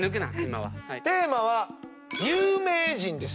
テーマは有名人です。